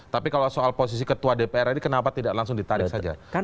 tapi kalau soal posisi ketua dpr ini kenapa tidak langsung ditarik saja